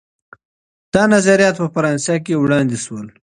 دا نظریات په فرانسه کي وړاندې سول.